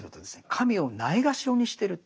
神をないがしろにしてるって。